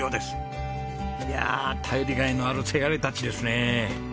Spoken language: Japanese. いやあ頼りがいのあるせがれたちですね。